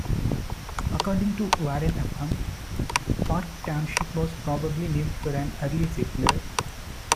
According to Warren Upham, Parke Township was probably named for an early settler.